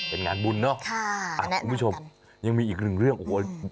เป็นงานบุญเนอะคุณผู้ชมยังมีอีกหนึ่งเรื่องโอ้โห